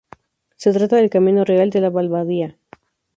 Se trata del Camino Real de la Valdavia.